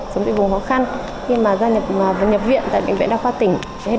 sống trên vùng khó khăn khi mà ra nhập viện tại bệnh viện đa khoa tỉnh